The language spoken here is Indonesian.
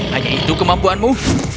hanya itu kemampuanmu